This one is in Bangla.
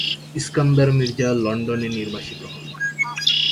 ইস্কান্দার মির্জা লন্ডনে নির্বাসিত হন।